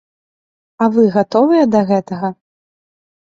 А вы гатовыя да гэтага?